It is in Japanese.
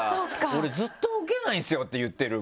「俺ずっと受けないんですよ」って言ってるもう。